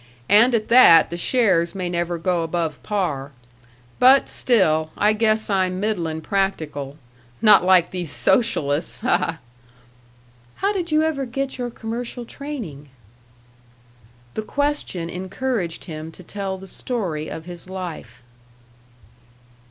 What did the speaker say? And at that, the shares may never go above par. But still, I guess I'm middlin' practical not like these socialists, ha, ha!" "How did you ever get your commercial training?" The question encouraged him to tell the story of his life.